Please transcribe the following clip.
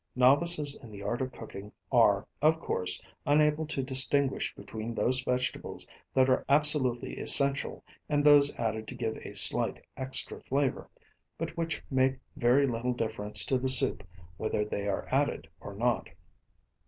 Novices in the art of cooking are, of course, unable to distinguish between those vegetables that are absolutely essential and those added to give a slight extra flavour, but which make very little difference to the soup whether they are added or not.